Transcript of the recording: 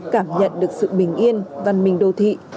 cảm nhận được sự bình yên văn minh đô thị